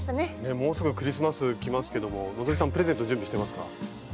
もうすぐクリスマス来ますけども希さんプレゼント準備してますか？